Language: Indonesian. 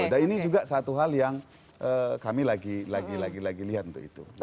dan ini juga satu hal yang kami lagi lagi lihat untuk itu